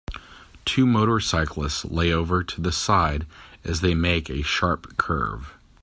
Two motorcyclists lay over to the side as they make a sharp curve.